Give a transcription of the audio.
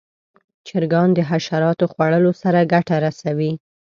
چرګان د حشراتو خوړلو سره ګټه رسوي.